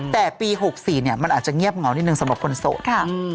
แต่ปี๖๔มันอาจจะเงียบเหงานิดนึงสำหรับคนโสดค่ะ